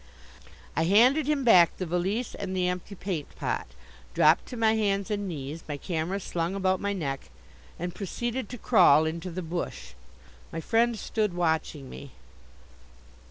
I handed him back the valise and the empty paint pot, dropped to my hands and knees my camera slung about my neck and proceeded to crawl into the bush. My friend stood watching me.